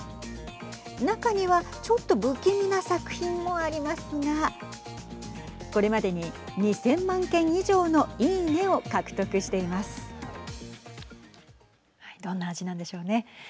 中には、ちょっと不気味な作品もありますがこれまでに２０００万件以上のどんな味なんでしょうね。